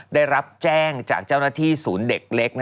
ได้รับแจ้งจากเจ้าหน้าที่ศูนย์เด็กเล็ก